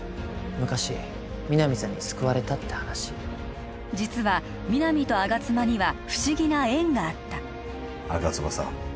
昔皆実さんに救われたって話実は皆実と吾妻には不思議な縁があった吾妻さん